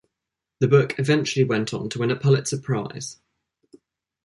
The book eventually went on to win a Pulitzer Prize.